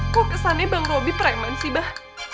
kok kesannya bang roby preman sih bah